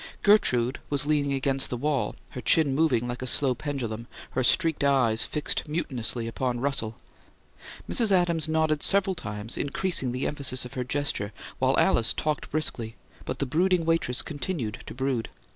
Gertrude was leaning against the wall, her chin moving like a slow pendulum, her streaked eyes fixed mutinously upon Russell. Mrs. Adams nodded several times, increasing the emphasis of her gesture, while Alice talked briskly; but the brooding waitress continued to brood.